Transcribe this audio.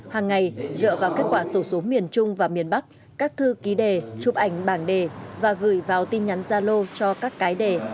hàng ngày dựa vào kết quả sổ số miền trung và miền bắc các thư ký đề chụp ảnh bảng đề và gửi vào tin nhắn gia lô cho các cái đề